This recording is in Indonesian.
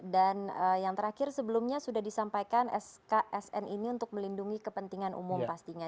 yang terakhir sebelumnya sudah disampaikan sksn ini untuk melindungi kepentingan umum pastinya